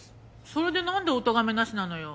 それでなんでおとがめなしなのよ。